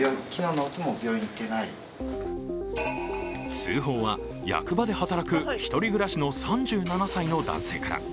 通報は役場で働く１人暮らしの３７歳の男性から。